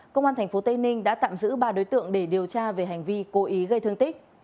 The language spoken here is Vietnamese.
công an tp tây ninh đã tạm giữ ba đối tượng để điều tra về hành vi cố ý gây thương tích